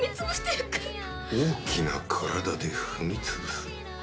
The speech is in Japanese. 大きな体で踏み潰す。